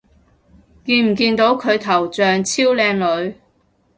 見唔見到佢頭像超靚女